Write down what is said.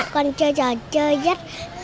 con chơi trò chơi rất